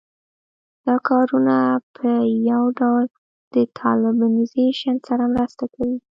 دا کارونه په یو ډول د طالبانیزېشن سره مرسته کوي